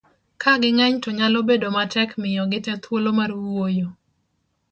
ka ging'eny to nyalo bedo matek miyo gite thuolo mar wuoyo